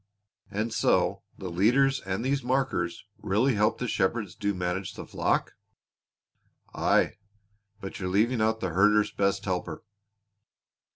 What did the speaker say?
"And so the leaders and these markers really help the shepherds to manage the flock?" "Aye. But you're leaving out the shepherd's best helper."